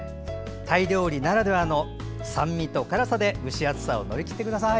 タイ料理ならではの酸味と辛さで蒸し暑さを乗り切ってください。